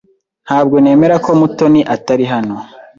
Ntabwo nemera ko Mutoni atari hano.